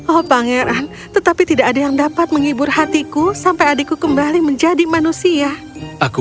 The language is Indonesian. oh pangeran tetapi tidak ada yang dapat menghibur hatiku sampai adikku kembali menjadi manusia aku